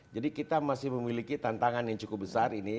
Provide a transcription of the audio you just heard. jadi kita masih memiliki tantangan yang cukup besar